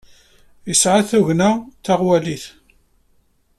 Yesɛa tugna d taɣwalit.